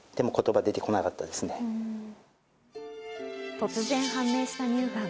突然判明した乳がん。